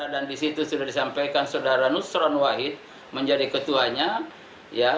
dan disitu sudah disampaikan saudara nusran wahid menjadi ketuanya